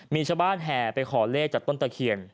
มีชาวบ้านแห่ไปขอเลขจากต้นตะเคียน